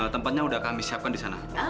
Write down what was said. tempatnya udah kami siapkan disana